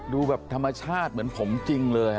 ดูแบบธรรมชาติเหมือนผมจริงเลย